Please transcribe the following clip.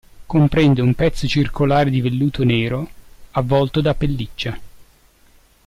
Comprende un pezzo circolare di velluto nero, avvolto da pelliccia.